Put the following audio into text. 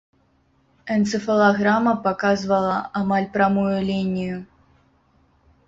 Энцэфалаграма паказвала амаль прамую лінію.